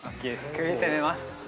首攻めます。